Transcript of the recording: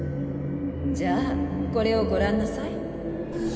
じゃあこれをご覧なさい。